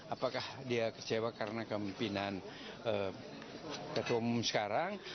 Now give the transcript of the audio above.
apakah dia kecewa karena kemimpinan ketua umum sekarang